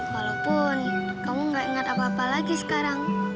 walaupun kamu gak ingat apa apa lagi sekarang